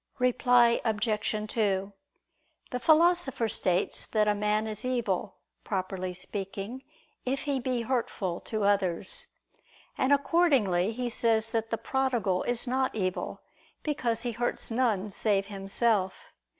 Reply Obj. 2: The Philosopher states that a man is evil, properly speaking, if he be hurtful to others. And accordingly, he says that the prodigal is not evil, because he hurts none save himself.